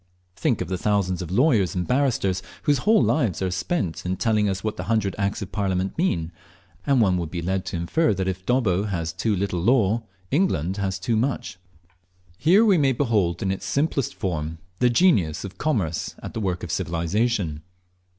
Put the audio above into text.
Think of the thousands of lawyers and barristers whose whole lives are spent in telling us what the hundred Acts of Parliament mean, and one would be led to infer that if Dobbo has too little law England has too much. Here we may behold in its simplest form the genius of Commerce at the work of Civilization.